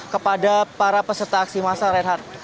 kepada para peserta aksi masa renhardt